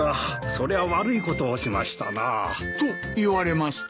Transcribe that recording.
そりゃ悪いことをしましたなぁ。と言われますと？